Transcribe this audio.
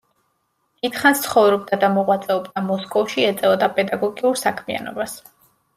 დიდხანს ცხოვრობდა და მოღვაწეობდა მოსკოვში, ეწეოდა პედაგოგიურ საქმიანობას.